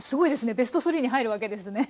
ベストスリーに入るわけですね。